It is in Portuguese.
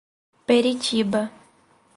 Peritiba